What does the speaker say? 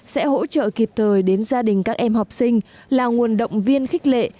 sẽ hỗ trợ kịp thời đến gia đình các em học sinh là nguồn động viên khích lệ